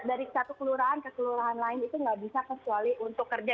dari satu kelurahan ke kelurahan lain itu nggak bisa kecuali untuk kerja